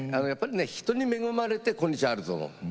人に恵まれて今日があると思う。